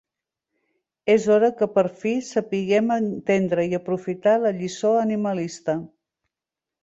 És hora que, per fi, sapiguem entendre i aprofitar la lliçó animalista.